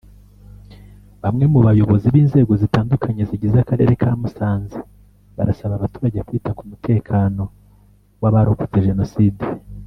Bamwe mu bayobozi b’inzego zitandukanye zigize Akarere ka Musanze barasaba abaturage kwita ku mutekano w’abarokotse Jenoside